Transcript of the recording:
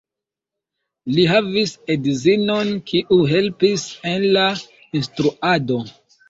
Li havis edzinon, kiu helpis en la instruado.